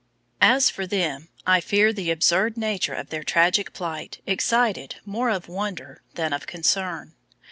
As for them, I fear the absurd nature of their tragic plight excited more of wonder than of concern.